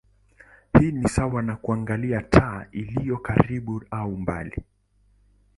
Hii ni sawa na kuangalia taa iliyo karibu au mbali.